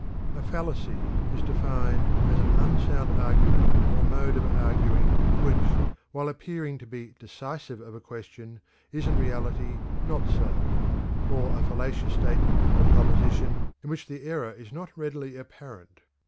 A fallacy is defined as "an unsound argument or mode of arguing which, while appearing to be decisive of a question, is in reality not so; or a fallacious statement or proposition in which the error is not readily apparent.